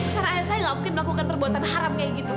karena ayah saya nggak mungkin melakukan perbuatan haram kayak gitu